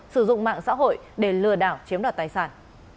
sử dụng mạng xã hội để lừa đảo chiếm đoạt tài sản